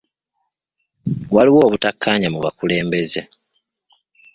Waliwo obutakkaanya mu bakulembeza.